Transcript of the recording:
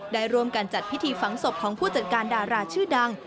ได้ร่วมกันจัดพิธีฝังศพของผู้จัดการดาราชื่อดัง